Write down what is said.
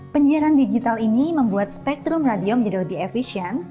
penyiaran digital ini membuat spektrum radio menjadi lebih efisien